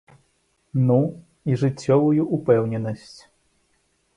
Ну, і жыццёвую упэўненасць.